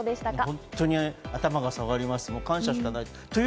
本当に頭が下がります、感謝しかないです。